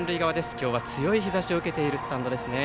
今日は強い日ざしを受けているスタンドですね。